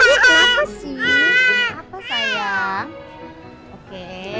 ini apa sih ini apa sayang oke